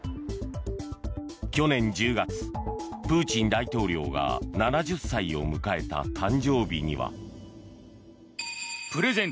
去年１０月、プーチン大統領が７０歳を迎えた誕生日には。